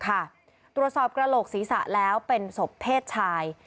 กระดูกค่ะตรวจสอบกระโหลกศีรษะแล้วเป็นศพเพศชาย